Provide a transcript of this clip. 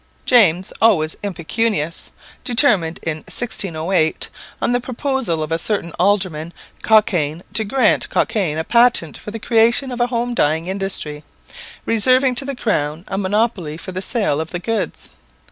James, always impecunious, determined in 1608, on the proposal of a certain Alderman Cockayne, to grant Cockayne a patent for the creation of a home dyeing industry, reserving to the crown a monopoly for the sale of the goods.